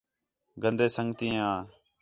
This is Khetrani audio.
گندے سنڳتیں آ